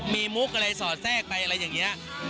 มีมุกอะไรสอแทรกอะไรอย่างเงี้ย